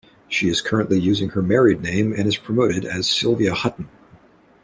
She is currently using her married name and is promoted as Sylvia Hutton.